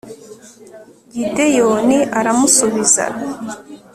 gideyoni aramusubiza